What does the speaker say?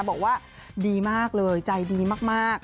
บอกว่าดีมากเลยใจดีมาก